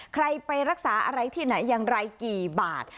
ใครไปรักษาอะไรที่ไหนอย่างไรกี่บาท